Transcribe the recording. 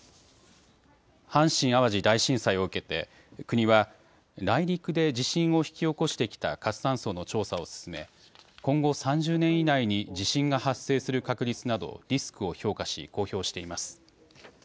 阪神・淡路大震災を受けて国は内陸で地震を引き起こしてきた活断層の調査を進め今後３０年以内に地震が発生する確率などリスクを評価し公表しています。